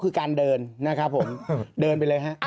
คือการเดินนะครับผมเดินไปเลยฮะ